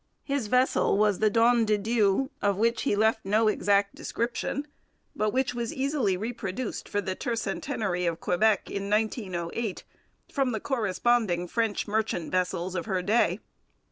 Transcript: His vessel was the Don de Dieu, of which he left no exact description, but which was easily reproduced for the tercentenary of Quebec in 1908 from the corresponding French merchant vessels of her day.